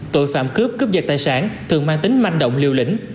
tội phạm cướp cướp giật tài sản thường mang tính manh động liều lĩnh